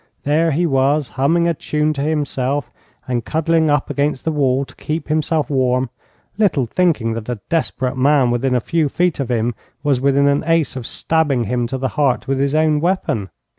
There he was, humming a tune to himself, and cuddling up against the wall to keep himself warm, little thinking that a desperate man within a few feet of him was within an ace of stabbing him to the heart with his own weapon.